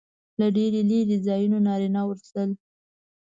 له ډېرو لرې ځایونو نارینه ورتلل.